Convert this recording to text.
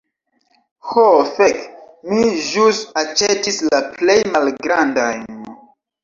Ho fek, mi ĵus aĉetis la plej malgrandajn.